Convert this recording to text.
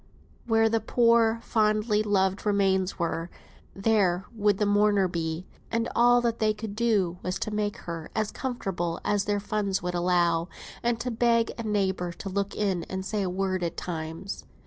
where the poor, fondly loved remains were, there would the mourner be; and all that they could do was to make her as comfortable as their funds would allow, and to beg a neighbour to look in and say a word at times.